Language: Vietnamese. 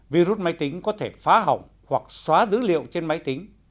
virus máy tính có thể phá hỏng hoặc xóa dữ liệu trên máy tính